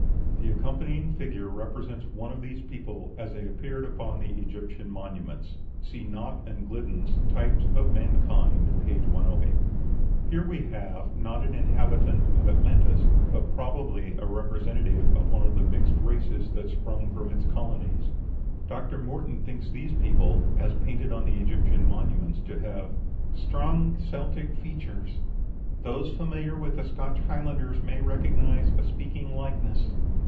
The accompanying figure represents one of these people as they appear upon the Egyptian monuments. (See Nott and Gliddon's "Types of Mankind," p. 108.) Here we have, not an inhabitant of Atlantis, but probably a representative of one of the mixed races that sprung from its colonies. Dr. Morton thinks these people, as painted on the Egyptian monuments, to have "strong Celtic features. Those familiar with the Scotch Highlanders may recognize a speaking likeness."